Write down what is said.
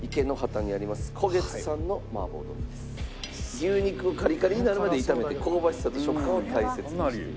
牛肉をカリカリになるまで炒めて香ばしさと食感を大切にしている。